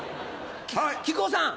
木久扇さん。